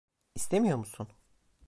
İstemiyor musun?